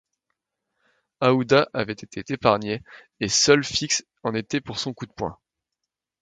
Aouda avait été épargnée, et, seul, Fix en était pour son coup de poing.